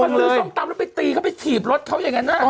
ลื้อส้มตำแล้วไปตีเขาไปถีบรถเขาอย่างนั้นนะ